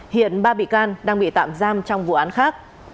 hiện ba bị can đang bị tạm giam trong vụ án khác